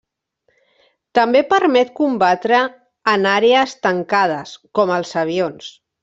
També permet combatre en àrees tancades, com els avions.